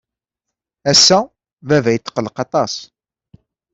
Ass-a, baba yetqelleq aṭas.